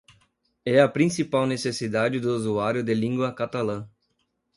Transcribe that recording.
É a principal necessidade do usuário de língua catalã.